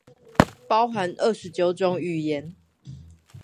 包含二十九種語言